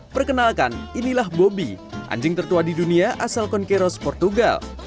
perkenalkan inilah bobi anjing tertua di dunia asal konkeros portugal